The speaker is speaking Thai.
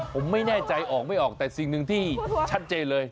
ผมไม่แน่ใจออกไม่ออกแต่สิ่งหนึ่งที่ชัดเจนเลย